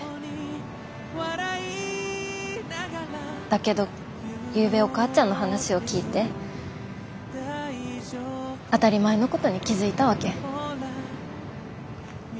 だけどゆうべお母ちゃんの話を聞いて当たり前のことに気付いたわけ。